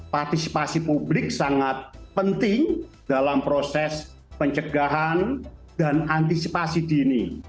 partisipasi publik sangat penting dalam proses pencegahan dan antisipasi dini